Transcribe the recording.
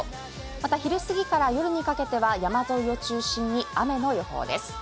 また昼過ぎから夜にかけては山沿いを中心に雨の予報です。